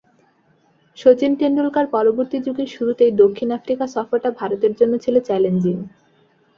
শচীন টেন্ডুলকার-পরবর্তী যুগের শুরুতেই দক্ষিণ আফ্রিকা সফরটা ভারতের জন্য ছিল চ্যালেঞ্জিং।